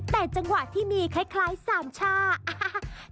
แต่จังหวะที่มีคล้ายสามช่าอ่า